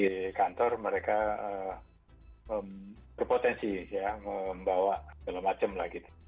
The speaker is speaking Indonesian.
ya sampai di kantor mereka mempunyai potensi membawa segala macam lagi